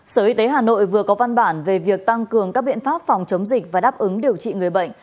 sở y tế hà nội vừa có văn bản về việc tăng cường các biện pháp phòng chống dịch và đáp ứng điều trị người bệnh